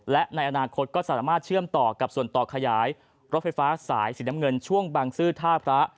และในอนาคตก็สามารถเชื่อมต่อกับส่วนต่อขยายรถไฟฟ้าสายสีน้ำเงินช่วงบางซื่อท่าพระ